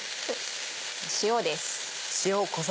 塩です。